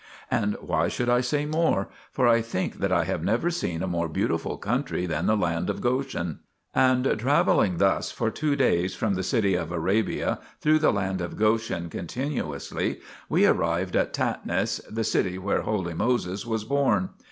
And why should I say more ? for I think that I have never seen a more beautiful country than the land of Goshen. And travelling thus for two days from the city of Arabia through the land of Goshen continuously, we arrived at Tatnis, 1 the city where holy Moses was born.